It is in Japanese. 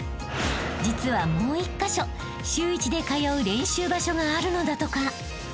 ［実はもう１カ所週１で通う練習場所があるのだとか］